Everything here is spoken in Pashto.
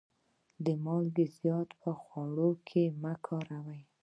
مالګه زیاته په خوړو کي مه کاروئ.